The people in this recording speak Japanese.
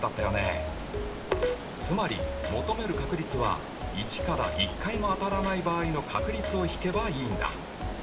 つまり求める確率は１から１回も当たらない場合の確率を引けばいいんだ。